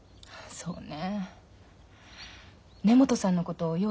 そうね。